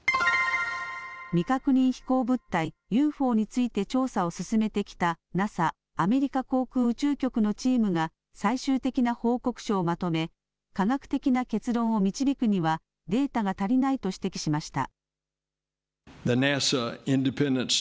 未確認飛行物体・ＵＦＯについて調査を進めてきたＮＡＳＡ・アメリカ航空宇宙局のチームが最終的な報告書をまとめ科学的な結論を導くにはデータが足りないと指摘しました。